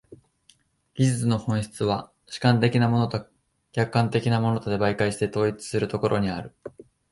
技術の本質は主観的なものと客観的なものとを媒介して統一するところにある。